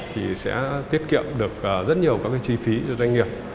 thì sẽ tiết kiệm được rất nhiều các chi phí cho doanh nghiệp